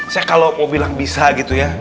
saya kalau mau bilang bisa gitu ya